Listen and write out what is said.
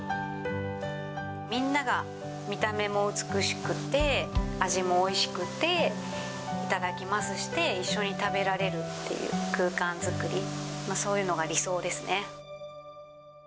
みんなが見た目も美しくて、味もおいしくて、いただきますして、一緒に食べられるっていう空間作り、そういうのが理想ですね。